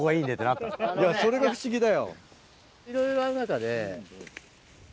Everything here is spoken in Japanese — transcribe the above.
それが不思議だよ。